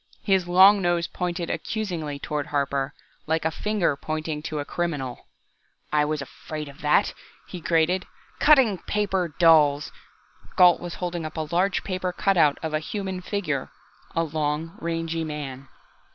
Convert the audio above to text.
His long nose pointed accusingly toward Harper, like a finger pointing out a criminal. "I was afraid of that!" he grated. "Cutting paper dolls!" Gault was holding up a large paper cutout of a human figure a long, rangy man.